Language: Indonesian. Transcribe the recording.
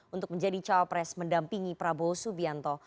untuk menjadi cawapres mendampingi prabowo subianto